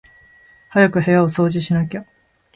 早く部屋を掃除しなきゃ